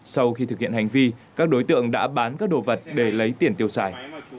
sau khi thực hiện hành vi các đối tượng đã bán các đồ vật để lấy tiền tiêu xài